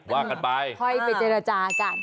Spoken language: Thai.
ว่ากันไปค่อยไปเจรจากัน